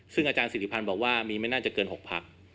ซึ่งอาจารย์สิริพันธ์บอกว่ามีไม่น่าจะเกิน๖พัก